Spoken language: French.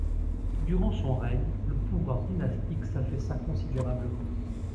Durant son règne, le pouvoir dynastique s'affaissa considérablement.